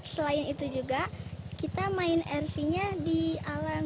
selain itu juga kita main rc nya di alam